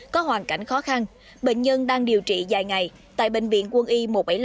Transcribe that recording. có hoàn cảnh khó khăn bệnh nhân đang điều trị dài ngày tại bệnh viện quân y một trăm bảy mươi năm